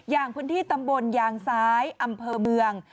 อย่างพื้นที่ตำบลยางซ้ายอำเภอเมือง